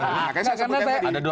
nah karena saya sebutkan tadi